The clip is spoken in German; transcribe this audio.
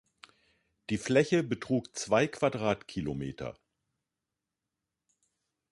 Die Fläche betrug zwei Quadratkilometer.